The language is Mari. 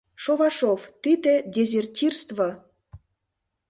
Шовашов.Тиде дезертирство!